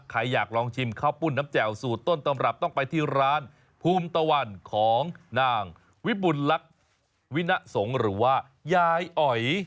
ใครอยากลองชิมข้าวปุ่นน้ำแจ่วสูตรต้นตมรับต้องไปที่ร้านวิบุรณรักวินสงฆ์หรือว่ายายอ่อย